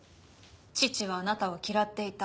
父はあなたを嫌っていた。